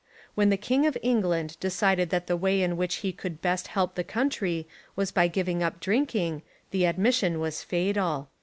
When the King of England decided that the way in which he could best help the country was by giving up drinking, the admission was fatal.